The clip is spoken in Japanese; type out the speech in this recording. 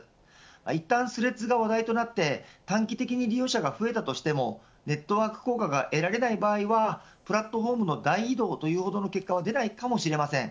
いったんスレッズが話題となって短期的に利用者が増えたとしてもネットワーク効果が得られない場合はプラットフォームの大移動と言うほどの結果は出ないかもしれません。